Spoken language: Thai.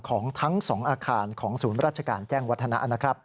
ของทั้ง๒อาคารของศูนย์ราชการแจ้งวัฒนะนะครับ